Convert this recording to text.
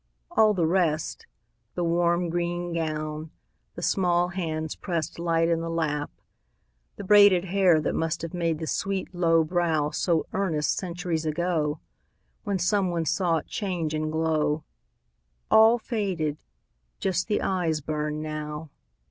All the rest The warm green gown, the small hands pressed Light in the lap, the braided hair That must have made the sweet low brow So earnest, centuries ago, When some one saw it change and glow All faded! Just the eyes burn now.